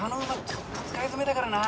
ちょっと使い詰めだからな。